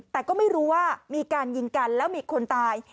แต่ก็ไม่รู้ว่ามีการยิงกันแล้วมีคนตาย